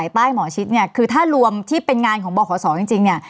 ถูกต้องค่ะ